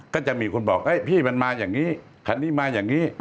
ก็จะมีคนบอกพี่มันมาอย่างนี้คันนี้มาอย่างนี้